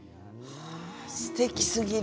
すてきすぎる。